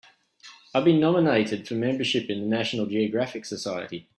I've been nominated for membership in the National Geographic Society.